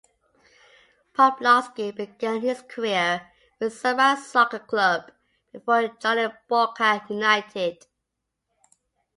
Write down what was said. Poplawski began his career with Sunrise Soccer Club before joining Boca United.